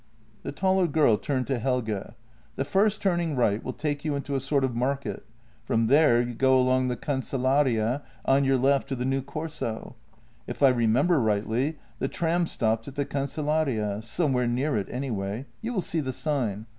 The taller girl turned to Helge: "The first turning right will take you into a sort of market. From there you go along the Cancellaria on your left to the new Corso. If I remember rightly, the tram stops at the Cancellaria — somewhere near it anyway — you will see the sign.